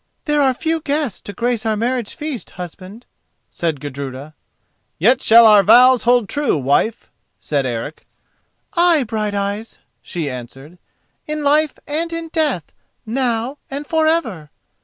"There are few guests to grace our marriage feast, husband," said Gudruda. "Yet shall our vows hold true, wife," said Eric. "Ay, Brighteyes," she answered, "in life and in death, now and for ever!"